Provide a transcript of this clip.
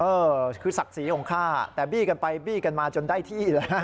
เออคือศักดิ์ศรีของข้าแต่บี้กันไปบี้กันมาจนได้ที่แล้ว